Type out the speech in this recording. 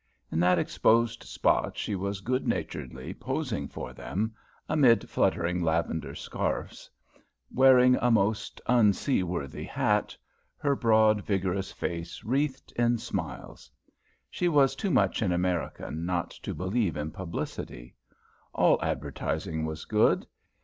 In that exposed spot she was good naturedly posing for them amid fluttering lavender scarfs wearing a most unseaworthy hat, her broad, vigorous face wreathed in smiles. She was too much an American not to believe in publicity. All advertising was good.